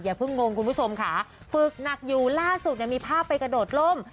เพิ่งงงคุณผู้ชมค่ะฝึกหนักอยู่ล่าสุดเนี่ยมีภาพไปกระโดดล่ม